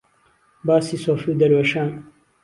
باسی سۆفی و دەروێشان